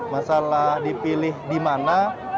masalah dipilih di mana